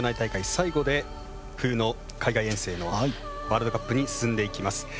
最後で冬の海外遠征のワールドカップに進んでいきます。